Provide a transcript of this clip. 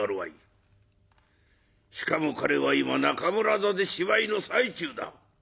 しかも彼は今中村座で芝居の最中だ。